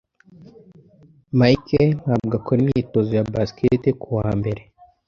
Mike ntabwo akora imyitozo ya basketball kuwa mbere.